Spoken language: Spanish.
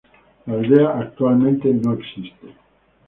La aldea actualmente no existe.